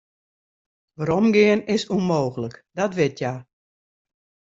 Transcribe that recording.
Weromgean is ûnmooglik, dat wit hja.